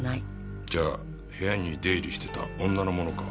じゃあ部屋に出入りしてた女のものか？